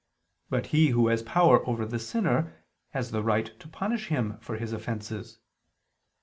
But he who has power over the sinner has the right to punish him for his offenses.